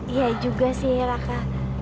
iya juga sih raka